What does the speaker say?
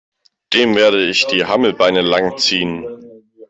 Dem werde ich die Hammelbeine lang ziehen!